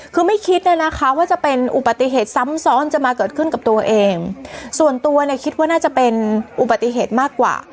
คือไม่คิดเลยนะคะว่าจะเป็นอุบัติเหตุซ้ำซ้อนจะมาเกิดขึ้นกับตัวเองส่วนตัวเนี่ยคิดว่าน่าจะเป็นอุบัติเหตุมากกว่า